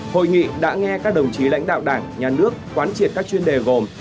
hội nghị đã nghe các đồng chí lãnh đạo đảng nhà nước quán triệt các chuyên đề gồm